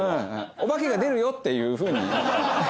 お化けが出るよっていうふうに。